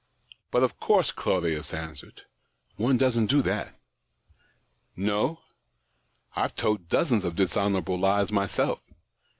But, of course," Claudius answered, " one doesn't do that." " No ? I've told dozens of dishonourable lies myself.